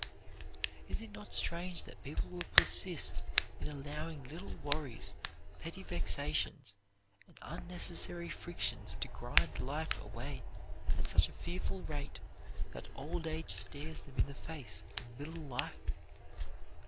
Is it not strange that people will persist in allowing little worries, petty vexations, and unnecessary frictions to grind life away at such a fearful rate that old age stares them in the face in middle life?